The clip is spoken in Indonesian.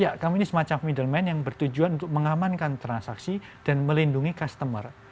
ya kami ini semacam middleman yang bertujuan untuk mengamankan transaksi dan melindungi customer